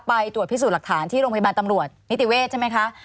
ไปตรวจพิสูจน์หลักฐานที่โรงพยาบาลตำรวจนิติเวชใช่ไหมคะ